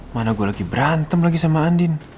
mana gue lagi berantem lagi sama andin